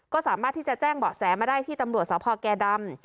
ก็สามารถที่จะแจ้งเบาะแสมาได้ที่ตำรวจสพแก่ดำ